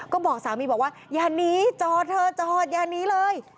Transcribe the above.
ก็บอกสามีบอกว่าอย่าหนีจอเธอจอดอย่าหนีเลย